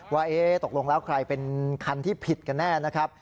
ว่าตกลงแล้วใครเป็นคันที่ผิดกันแน่นะครับ